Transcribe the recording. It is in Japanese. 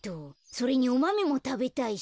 それにおマメもたべたいし。